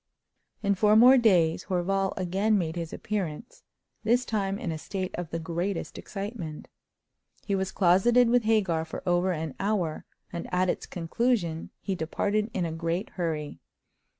In four more days Horval again made his appearance, this time in a state of the greatest excitement. He was closeted with Hagar for over an hour, and at its conclusion he departed in a great hurry.